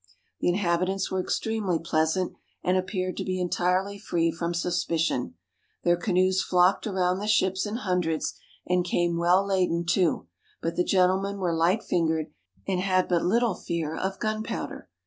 The inhabitants were extremely pleasant, and appeared to be entirely free from suspicion. Their canoes flocked around the ships in hundreds, and came well laden, too, but the gentlemen were light fingered, and had but Httle fear of gunpowder.